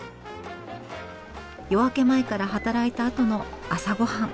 夜明け前から働いたあとの朝ごはん。